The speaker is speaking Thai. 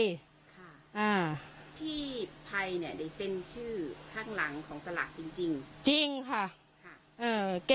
ค่ะอ่าพี่ไพรเนี่ยได้เส้นชื่อข้างหลังของสลากจริงจริงค่ะค่ะ